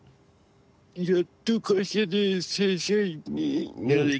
やっと会社で正社員になれて。